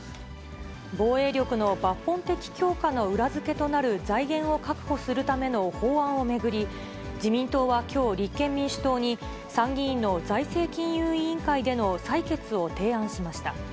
防衛力の抜本的強化の裏付けとなる財源を確保するための法案を巡り、自民党はきょう、立憲民主党に、参議院の財政金融委員会での採決を提案しました。